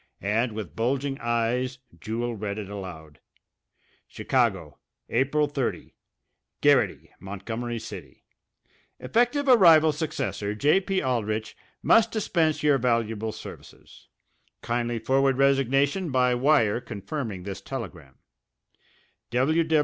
And with bulging eyes Jewel read it aloud: Chicago, April 30. GARRITY, Montgomery City: Effective arrival successor J.P. Aldrich must dispense your valuable services. Kindly forward resignation by wire confirming this telegram.